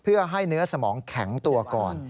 เพื่อให้เนื้อสมองแข็งตัวก่อน